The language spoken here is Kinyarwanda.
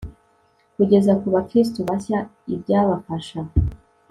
kugeza ku bakristo bashya ibyabafasha